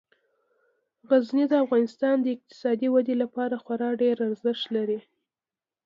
غزني د افغانستان د اقتصادي ودې لپاره خورا ډیر ارزښت لري.